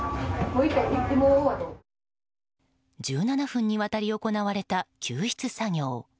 １７分にわたり行われた救出作業。